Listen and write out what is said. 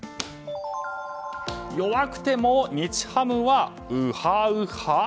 弱くても日ハムはウハウハ？